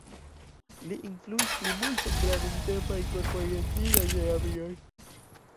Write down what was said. Li influis plimulton de la nuntempaj korp-orientitaj terapioj.